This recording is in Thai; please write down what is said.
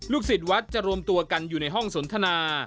ศิษย์วัดจะรวมตัวกันอยู่ในห้องสนทนา